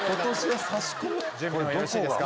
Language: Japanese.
準備はよろしいですか？